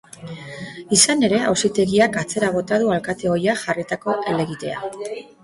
Izan ere, auzitegiak atzera bota du alkate ohiak jarritako helegitea.